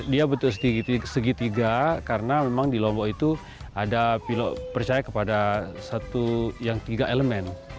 dia betul segitiga karena memang di lombok itu ada pilot percaya kepada satu yang tiga elemen